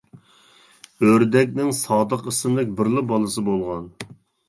ئۆردەكنىڭ سادىق ئىسىملىك بىرلا بالىسى بولغان.